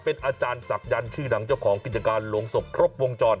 เป็นอาจารย์ศักยันต์ชื่อดังเจ้าของกิจการลงศพครบวงจร